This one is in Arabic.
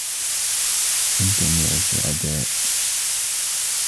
الجميع سعداء.